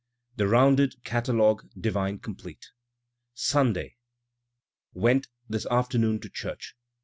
"the ROUNDED CATALOGUE DIVINE COMPLETE" [Sunday, . Went ikis afternoon to church.